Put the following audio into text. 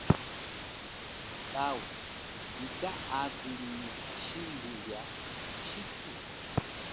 Kawa ika akulinga hashimbu lia thushithu?